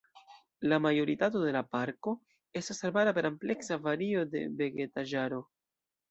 La majoritato de la parko estas arbara per ampleksa vario de vegetaĵaro.